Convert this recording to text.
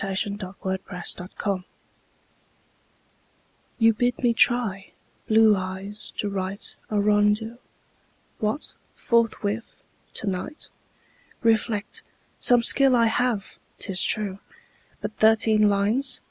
Austin Dobson "You Bid Me Try" YOU bid me try, blue eyes, to write A Rondeau. What! forthwith? tonight? Reflect. Some skill I have, 'tis true; But thirteen lines!